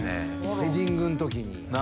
ヘディングの時に。